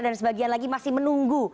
dan sebagian lagi masih menunggu